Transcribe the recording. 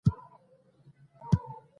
افغانستان د پسونو په برخه کې نړیوال کار کوي.